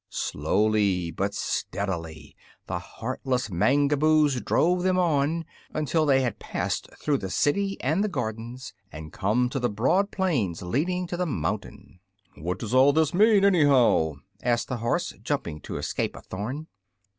Slowly but steadily the heartless Mangaboos drove them on, until they had passed through the city and the gardens and come to the broad plains leading to the mountain. "What does all this mean, anyhow?" asked the horse, jumping to escape a thorn.